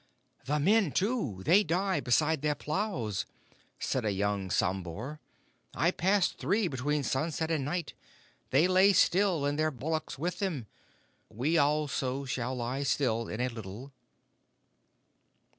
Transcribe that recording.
"The men folk, too, they die beside their plows," said a young sambhur. "I passed three between sunset and night. They lay still, and their bullocks with them. We also shall lie still in a little."